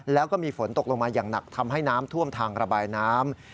แล้วก็มีฝนตกลงมาอย่างหนักทำให้น้ำท่วมทางระบายน้ำ